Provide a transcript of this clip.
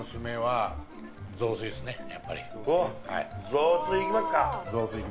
雑炊いきますか。